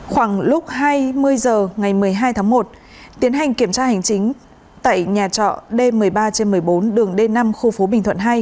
khoảng lúc hai mươi h ngày một mươi hai tháng một tiến hành kiểm tra hành chính tại nhà trọ d một mươi ba một mươi bốn đường d năm khu phố bình thuận hai